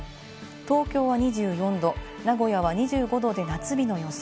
東京は２４度、名古屋は２５度と夏日の予想。